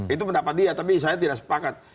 itu pendapat dia tapi saya tidak sepakat